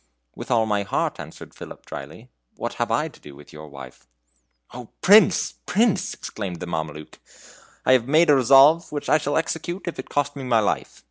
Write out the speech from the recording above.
"With all my heart," answered Philip, dryly; "what have I to do with your wife?" "O Prince, Prince!" exclaimed the Mameluke, "I have made a resolve which I shall execute if it cost me my life.